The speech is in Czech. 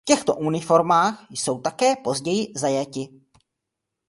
V těchto uniformách jsou také později zajati.